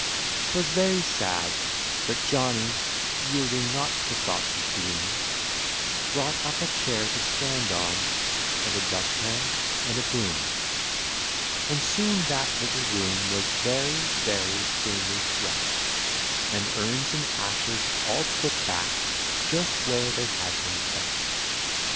'Twas very sad; but Johnny, yielding not to thoughts of gloom, Brought up a chair to stand on, and a dustpan and a broom, And soon that little room was very, very cleanly swept, And urns and ashes all put back, just where they had been kept.